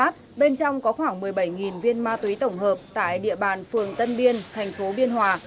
bên trong có khoảng một mươi bảy viên ma túy tổng hợp tại địa bàn phường tân biên thành phố biên hòa